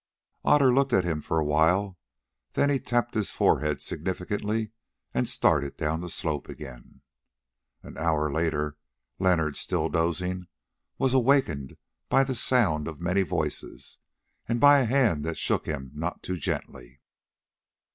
Otter looked at him for a while, then he tapped his forehead significantly and started down the slope again. An hour later, Leonard, still dozing, was awakened by a sound of many voices, and by a hand that shook him not too gently.